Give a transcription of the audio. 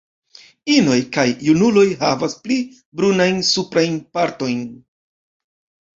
Inoj kaj junuloj havas pli brunajn suprajn partojn.